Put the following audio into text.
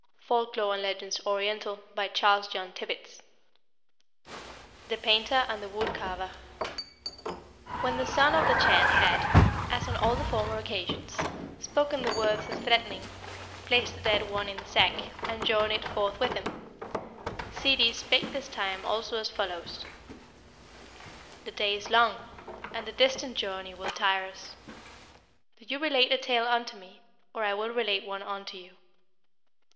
Thus Ssidi's seventh relation treats of the Bird man. THE PAINTER AND THE WOOD CARVER. When the Son of the Chan had, as on all the former occasions, spoken the words of threatening, placed the dead one in the sack, and journeyed forth with him, Ssidi spake this time also as follows: "The day is long, and the distant journey will tire us: do you relate a tale unto me, or I will relate one unto you."